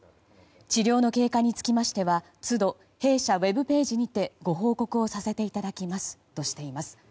治療の経過につきましては都度、弊社ウェブページにてご報告をさせていただきますとしています。